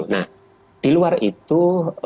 nah di luar itu